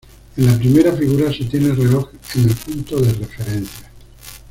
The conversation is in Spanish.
En la primera figura se tiene el reloj en el punto de referencia.